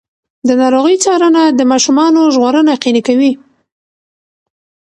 د ناروغۍ څارنه د ماشومانو ژغورنه یقیني کوي.